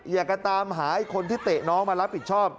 อยากจะตามหาไอ้คนที่เตะน้องมารับผิดชอบ